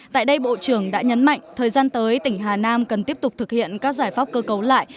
tại đây bộ trưởng đã nhấn mạnh thời gian tới tỉnh hà nam cần tiếp tục thực hiện các giải pháp cơ cấu lại